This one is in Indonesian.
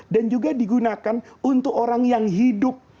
dan juga digunakan untuk orang yang hidup